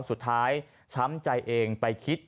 สุดท้ายช้ำใจเองไปคิด